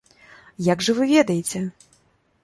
Як жа вы ведаеце?